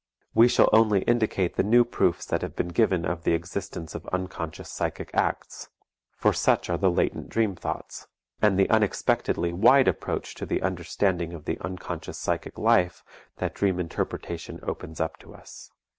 We shall only indicate the new proofs that have been given of the existence of unconscious psychic acts for such are the latent dream thoughts and the unexpectedly wide approach to the understanding of the unconscious psychic life that dream interpretation opens up to us.